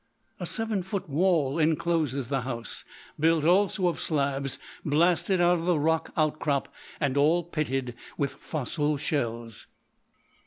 "A seven foot wall encloses the house, built also of slabs blasted out of the rock outcrop, and all pitted with fossil shells.